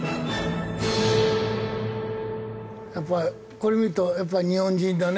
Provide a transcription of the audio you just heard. これ見るとやっぱり日本人だね。